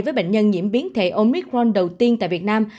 với bệnh nhân nhiễm biến thể omicron đầu tiên tại việt nam